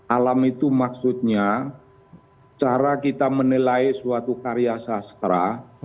alam itu maksudnya cara kita menilai suatu karya sastra